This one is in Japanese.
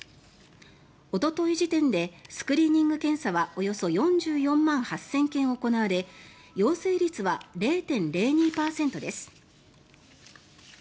おととい時点でスクリーニング検査はおよそ４４万８０００件行われ陽性率は０．０２％です。